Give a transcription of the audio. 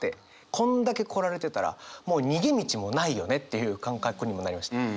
こんだけ来られてたらもう逃げ道もないよねっていう感覚にもなりました。